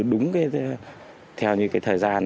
đúng theo như cái thời gian